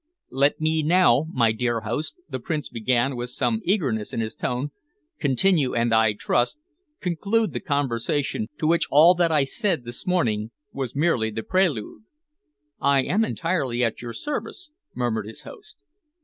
"Let me now, my dear host," the Prince began, with some eagerness in his tone, "continue and, I trust, conclude the conversation to which all that I said this morning was merely the prelude." "I am entirely at your service," murmured his host.